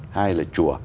hai là chùa